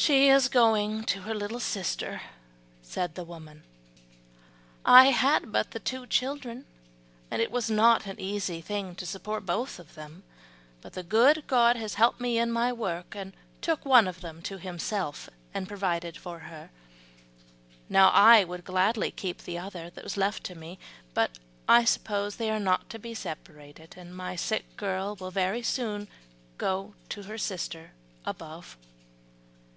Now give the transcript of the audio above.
"She is going to her little sister," said the woman; "I had but the two children, and it was not an easy thing to support both of them; but the good God helped me in my work, and took one of them to Himself and provided for her. Now I would gladly keep the other that was left to me, but I suppose they are not to be separated, and my sick girl will very soon go to her sister above."